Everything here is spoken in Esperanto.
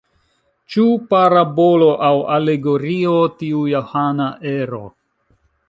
Ĉu parabolo aŭ alegorio tiu johana ero?